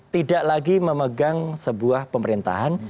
tidak lagi memegang sebuah pemerintahan